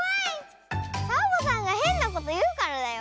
サボさんがへんなこというからだよ。